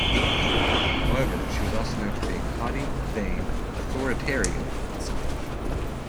However, she was also known for being haughty, vain, authoritarian and selfish.